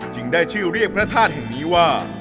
ได้ชื่อเรียกพระธาตุแห่งนี้ว่า